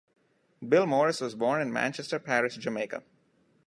Bill Morris was born in Manchester Parish, Jamaica.